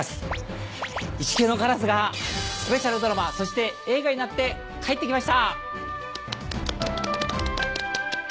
『イチケイのカラス』がスペシャルドラマそして映画になって帰ってきました。